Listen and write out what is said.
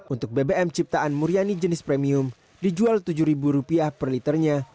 untuk bbm ciptaan muriani jenis premium dijual rp tujuh per liternya